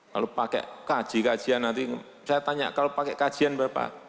kalau pakai kaji kajian nanti saya tanya kalau pakai kajian berapa